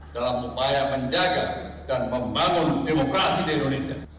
dalam upaya menjaga dan membangun demokrasi di indonesia